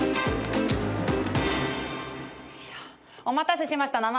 お待たせしました。